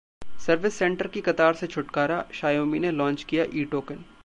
service centre की कतार से छुटकारा, Xiaomi ने लॉन्च किया ई-टोकेन